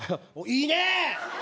いいねえ！